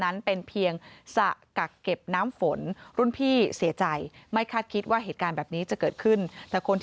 แต่พี่สามารถเขาพ้นก็สั่ง